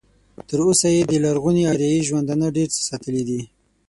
تر اوسه یې د لرغوني اریایي ژوندانه ډېر څه ساتلي دي.